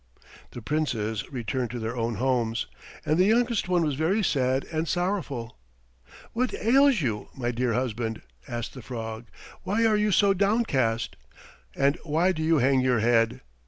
The Princes returned to their own homes, and the youngest one was very sad and sorrowful. "What ails you, my dear husband?" asked the frog. "Why are you so downcast, and why do you hang your head.